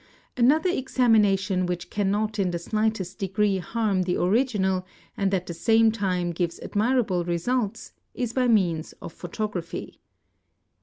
Another examination, which cannot in the slightest degree harm the original and at the same time gives admirable results, is by means of photography.